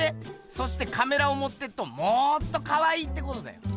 そしてカメラをもってっともっとかわいいってことだよ。